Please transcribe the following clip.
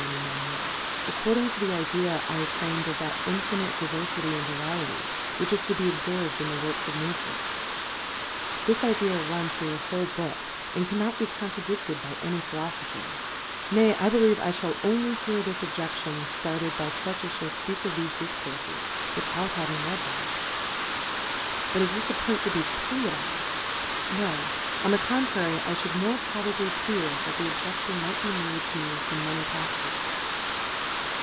i) Men there ^ ac \ cording to the Idea / have framed of that \ injihite Diverjjtj md Variety^ which is to he olferv*d in the Works' of Nature ; this Idea run^ throi'gh the whole Booky i i2nd caunot he contradicted hy any Philo^ j foj^her : Nay^ Ihelieve^ IJhall only hear \ this Ohjetiion ftarted hy Cuch as pall ffeak ofthefe Difcourfes, without having read them. But is ibis a Point to he \ defended on ? No^ on the contrary, I . Jhould more ^rohMy fear, that the Oh* jettion might he made to me from many Tajjages.